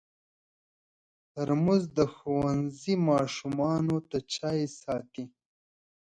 ترموز د ښوونځي ماشومانو ته چای ساتي.